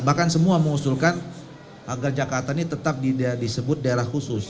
bahkan semua mengusulkan agar jakarta ini tetap disebut daerah khusus